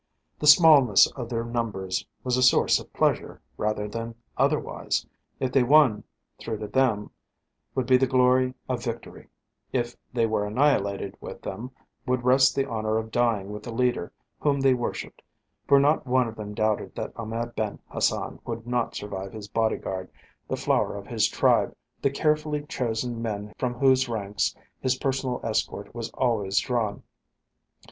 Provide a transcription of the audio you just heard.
The smallness of their numbers was a source of pleasure rather than otherwise; if they won through to them would be the glory of victory; if they were annihilated with them would rest the honour of dying with the leader whom they worshipped, for not one of them doubted that Ahmed Ben Hassan would not survive his bodyguard, the flower of his tribe, the carefully chosen men from whose ranks his personal escort was always drawn.